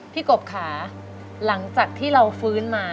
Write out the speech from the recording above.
กบค่ะหลังจากที่เราฟื้นมา